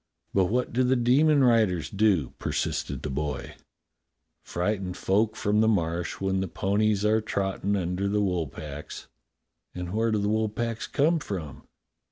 "But what do the demon riders do.^^ " persisted the boy. "Frighten folk from the Marsh when the ponies are trottin' under the wool packs." "And where do the wool packs come from?"